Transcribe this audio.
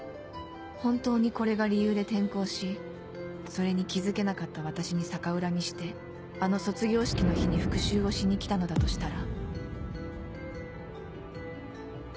本当にこれが理由で転校しそれに気付けなかった私に逆恨みしてあの卒業式の日に復讐をしに来たのだとしたら